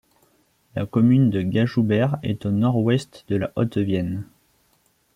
La commune de Gajoubert est au nord-ouest de la Haute-Vienne.